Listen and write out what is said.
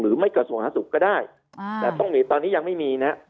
กระทรวงสาธารณสุขก็ได้แต่ต้องมีตอนนี้ยังไม่มีนะ